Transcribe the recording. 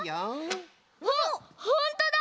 あっほんとだ！